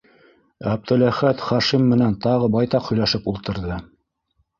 Әптеләхәт Хашим менән тағы байтаҡ һөйләшеп ултырҙы.